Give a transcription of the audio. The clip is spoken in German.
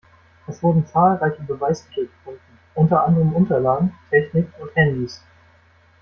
Es wurden zahlreiche Beweismittel gefunden, unter anderem Unterlagen, Technik und Handys.